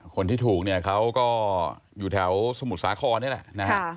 คนที่ถูกเนี่ยเขาก็อยู่แถวสมุทรสาครนี่แหละนะฮะ